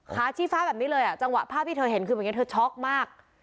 ชี้ฟ้าแบบนี้เลยอ่ะจังหวะภาพที่เธอเห็นคือแบบนี้เธอช็อกมาก